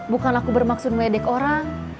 bukan aku bermaksud medik orang